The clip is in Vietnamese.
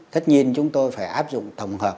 tất nhiên chúng tôi phải áp dụng thổng hợp